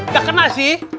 gak kena sih